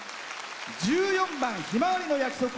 １４番「ひまわりの約束」